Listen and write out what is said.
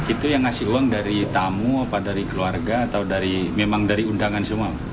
itu yang ngasih uang dari tamu apa dari keluarga atau dari memang dari undangan semua